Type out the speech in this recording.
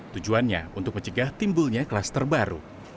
tujuannya untuk mencegah timbulnya kelas terbaru